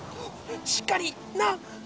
しっかりな！